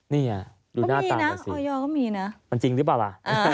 เนี่ยค่ะดูหน้าตามกันสิมันจริงหรือเปล่าล่ะ